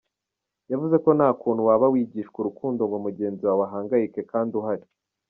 Yavuze ko nta kuntu waba wigishwa urukundo ngo mugenzi wawe ahangayike kandi uhari.